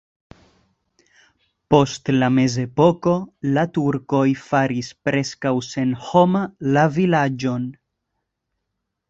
Post la mezepoko la turkoj faris preskaŭ senhoma la vilaĝon.